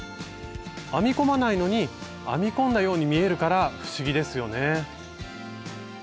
編み込まないのに編み込んだように見えるから不思議ですよね。